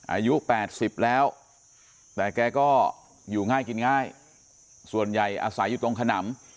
อายุ๘๐แล้วแต่แกก็อยู่ง่ายกินง่ายส่วนใหญ่อาศัยอยู่ตรงขนำ